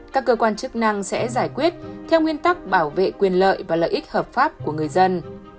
các cơ quan chức năng sẽ giải quyết theo nguyên tắc bảo vệ quyền lợi và lợi ích hợp pháp của người dân